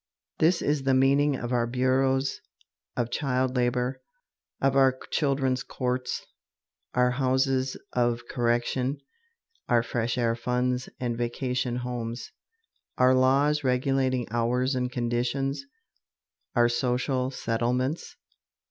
This is the meaning of our bureaus of Child Labor, of our Children's Courts, our Houses of Correction, our Fresh Air Funds and Vacation Homes, our laws regulating hours and conditions, our Social Settlements.